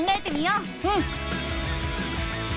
うん。